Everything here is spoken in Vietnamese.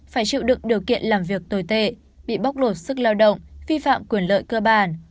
phải chịu đựng điều kiện làm việc tồi tệ bị bóc lột sức lao động vi phạm quyền lợi cơ bản